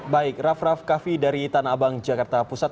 baik raff raff kaffi dari tanah abang jakarta pusat